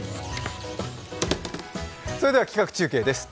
それでは企画中継です。